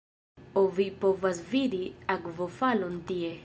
Oh vi povas vidi akvofalon tie